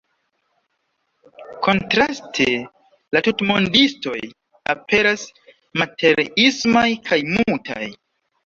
Kontraste, la tutmondistoj aperas materiismaj kaj mutaj.